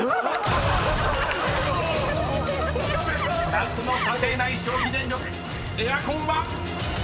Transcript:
［夏の家庭内消費電力エアコンは⁉］